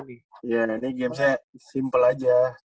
ya ini gamesnya simple aja